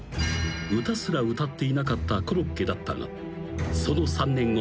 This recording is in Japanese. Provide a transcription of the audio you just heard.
［歌すら歌っていなかったコロッケだったがその３年後。